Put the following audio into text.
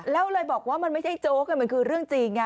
แล้วเลยบอกว่ามันไม่ใช่โจ๊กมันคือเรื่องจริง